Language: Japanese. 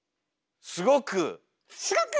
すごく！